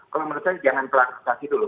kalau menurut saya jangan klarifikasi dulu